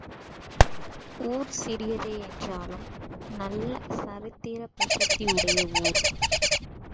ஊர் சிறியதே என்றாலும் நல்ல சரித்திரப் பிரசித்தி உடைய ஊர்.